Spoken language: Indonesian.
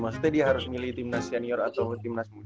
maksudnya dia harus milih timnas senior atau timnas